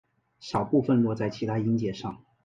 少部分落在其它音节上。